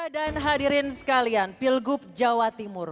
dan hadirin sekalian pilgub jawa timur